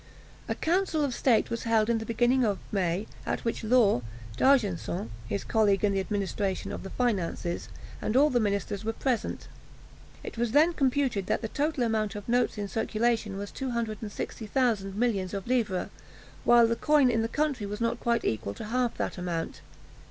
A council of state was held in the beginning of May, at which Law, D'Argenson (his colleague in the administration of the finances), and all the ministers were present. It was then computed that the total amount of notes in circulation was 2600 millions of livres, while the coin in the country was not quite equal to half that amount.